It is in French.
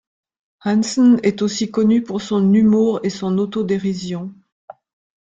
Hansen est aussi connu pour son humour et son auto-dérision.